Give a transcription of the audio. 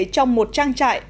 trong một trang trại